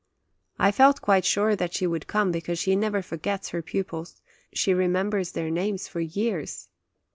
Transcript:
I felt quite sure that she would come, because she never forgets her pupils ; she remem bers their names for years.